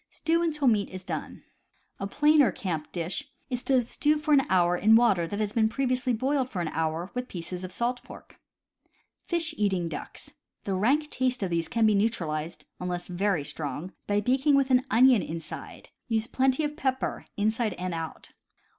Stew until meat is done. A plainer camp dish is to stew for an hour in water that has previously been boiled for an hour with pieces of salt pork. Fish eating Ducks. — The rank taste of these can be neutralized, unless very strong, by baking with an onion inside. Use plenty of pepper, inside and out.